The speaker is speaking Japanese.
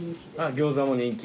餃子も人気。